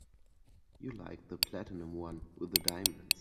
You liked the platinum one with the diamonds.